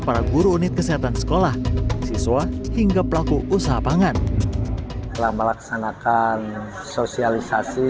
para guru unit kesehatan sekolah siswa hingga pelaku usaha pangan telah melaksanakan sosialisasi